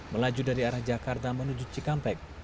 melaju dari arah jakarta menuju cikampek